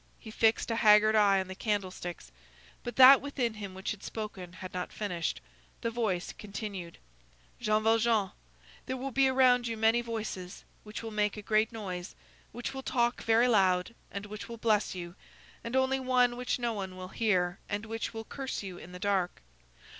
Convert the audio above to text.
He fixed a haggard eye on the candlesticks. But that within him which had spoken had not finished. The voice continued:— "Jean Valjean, there will be around you many voices, which will make a great noise, which will talk very loud, and which will bless you, and only one which no one will hear, and which will curse you in the dark.